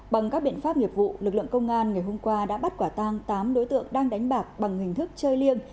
bằng các biện pháp nghiệp vụ lực lượng công an ngày hôm qua đã bắt quả tang tám đối tượng đang đánh bạc bằng hình thức chơi liêng